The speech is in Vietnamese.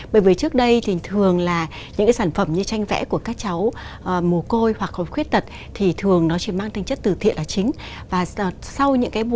bởi vì trước đây thì thường là những cái sản phẩm như tranh vẽ của các cháu mùa côi hoặc khuết tật thì thường nó chỉ mang tinh chất từ thiện là chính